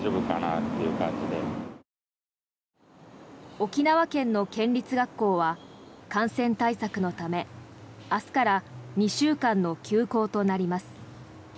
沖縄県の県立学校は感染対策のため明日から２週間の休校となります。